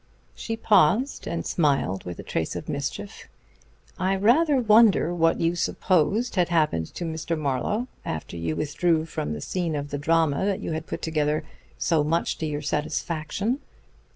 She paused and smiled with a trace of mischief. "I rather wonder what you supposed had happened to Mr. Marlowe, after you withdrew from the scene of the drama that you had put together so much to your satisfaction."